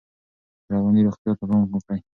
رواني روغتیا ته پام وکړئ.